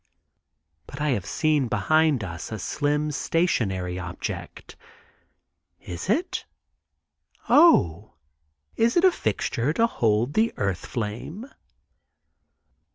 But I have seen behind us a slim stationary object. Is it? Oh, is it a fixture to hold the earth flame?